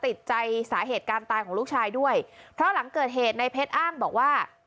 ติดใจสาเหตุการตายของลูกชายด้วยเพราะหลังเกิดเหตุในเพชรอ้างบอกว่า